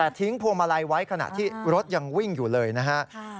แต่ทิ้งพวงมาลัยไว้ขณะที่รถยังวิ่งอยู่เลยนะฮะ